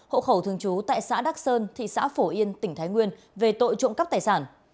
hộ khẩu thường trú tại xã đắc sơn thị xã phổ yên tỉnh thái nguyên về tội trộm cắp tài sản